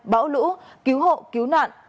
bão lũ cứu hộ cứu nạn